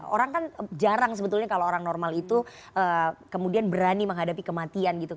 orang kan jarang sebetulnya kalau orang normal itu kemudian berani menghadapi kematian gitu